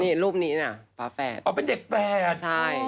เห็นรูปนี้ป๊าแฟด